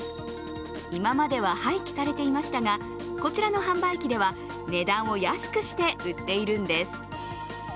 今までは廃棄されていましたがこちらの販売機では値段を安くして売っているんです。